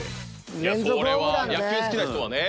いやこれは野球好きな人はね。